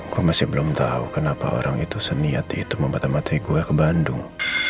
gue masih belum tau kenapa orang itu seniat itu mematah mati gue ke bandung